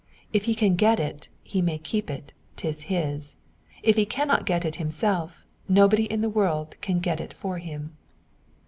If he can get it, he may keep it, 'tis his. If he cannot get it himself, nobody in the world can get it for him.